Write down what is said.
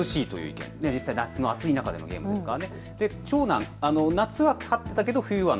夏の暑い中でのゲームですから。